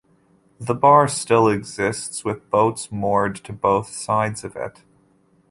The bar still exists, with boats moored to both sides of it.